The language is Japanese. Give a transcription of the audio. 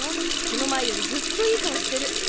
この前よりずっといい顔してる。